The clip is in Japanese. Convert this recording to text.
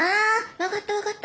分かった分かった！